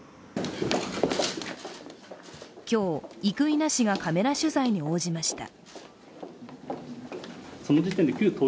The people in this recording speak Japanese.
今日、生稲氏がカメラ取材に応じました。